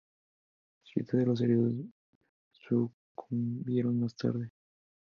Siete de los heridos sucumbieron más tarde.